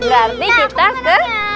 berarti kita ke